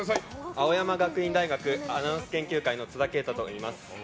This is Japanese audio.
青山学院大学アナウンス研究会の津田啓太です。